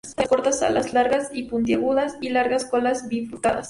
Estas aves tienen patas cortas, alas largas y puntiagudas y largas colas bifurcadas.